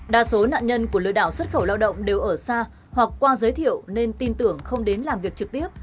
đa số nạn nhân của lừa đảo xuất khẩu lao động đều ở xa hoặc qua giới thiệu nên tin tưởng không đến làm việc trực tiếp